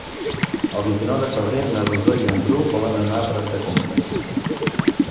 El vint-i-nou de febrer na Rosó i en Bru volen anar a Prat de Comte.